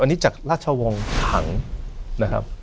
อันนี้จากราชวงศ์ถังนะครับ